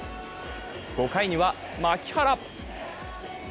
５回には牧原！